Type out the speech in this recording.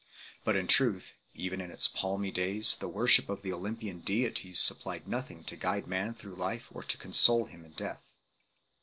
But, in truth, even in its palmy days the worship of the Olympian deities supplied nothing to guide man through life or to console him in death.